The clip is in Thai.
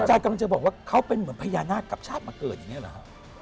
กำลังจะบอกว่าเขาเป็นเหมือนพญานาคกับชาติมาเกิดอย่างนี้เหรอฮะ